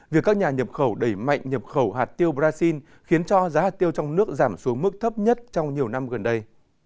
việc các nhà nhập khẩu đẩy mạnh nhập khẩu hạt tiêu brazil khiến cho giá hạt tiêu trong nước giảm xuống mức thấp nhất trong nhiều năm gần đây